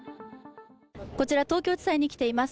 こちら東京地裁に来ています。